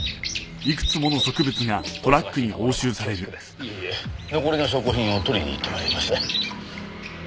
いえいえ残りの証拠品を取りに行って参ります。